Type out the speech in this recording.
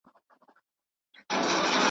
موږ به ولي په دې غم اخته کېدلای .